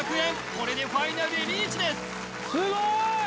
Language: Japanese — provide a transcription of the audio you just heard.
これでファイナルへリーチです